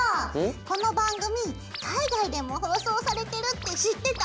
この番組海外でも放送されてるって知ってた？